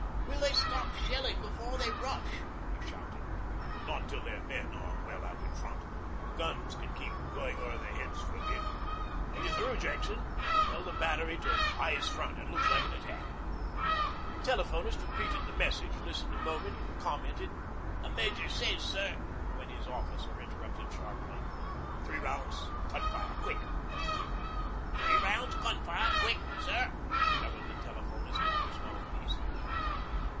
'Will they stop shelling before they rush?' he shouted. 'Not till their men are well out in front. Their guns can keep going over their heads for a bit. Are you through, Jackson? Tell the Battery to "eyes front." It looks like an attack.' The telephonist repeated the message, listened a moment and commenced, 'The Major says, sir ' when his officer interrupted sharply, 'Three rounds gun fire quick.' 'Three rounds gun fire quick, sir,' bellowed the telephonist into his mouthpiece.